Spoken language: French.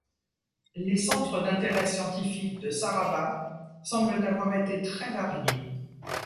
Les centres d'intérêts scientifiques de Sarrabat semblent avoir été très variés.